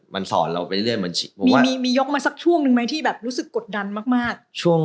มันสอนเราไปเรื่อยเหมือนมียกมาสักช่วงหนึ่งไหมที่แบบรู้สึกกดดันมาก